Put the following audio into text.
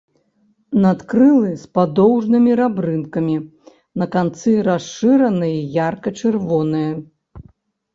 Надкрылы з падоўжнымі рабрынкамі, на канцы расшыраныя, ярка-чырвоныя.